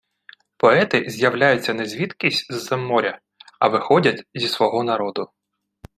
Поети з’являються не звідкись з-за моря, а виходять зі свого народу.